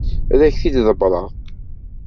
Ad ak-t-id-ḍebbreɣ.